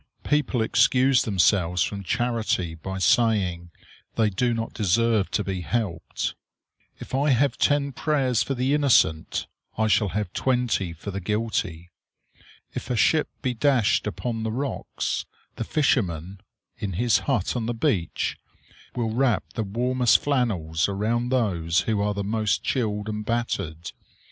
People excuse themselves from charity by saying they do not deserve to be helped. If I have ten prayers for the innocent, I shall have twenty for the guilty. If a ship be dashed upon the rocks, the fisherman, in his hut on the beach, will wrap the warmest flannels around those who are the most chilled and battered.